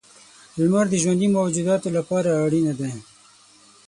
• لمر د ژوندي موجوداتو لپاره اړینه دی.